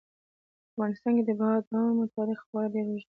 په افغانستان کې د بادامو تاریخ خورا ډېر اوږد دی.